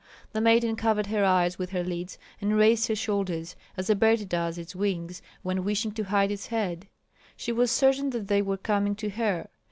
The maiden covered her eyes with her lids and raised her shoulders, as a bird does its wings when wishing to hide its head. She was certain that they were coming to her.